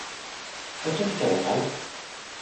o toki tawa kala.